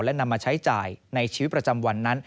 และนำมาใช้จ่ายในชีวิตประจำวันนั้น